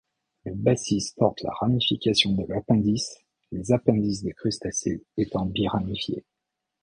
Le basis porte la ramification de l'appendice, les appendices des crustacés étant biramifiés.